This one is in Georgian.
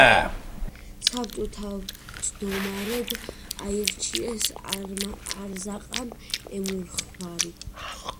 საბჭოს თავჯდომარედ აირჩიეს არზაყან ემუხვარი.